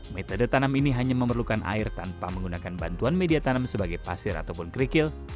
metode tanam ini hanya memerlukan air tanpa menggunakan bantuan media tanam sebagai pasir ataupun kerikil